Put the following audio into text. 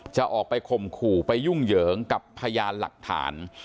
จะออกไปข่มขู่ไปยุ่งเหยิงกับพยานหลักฐาน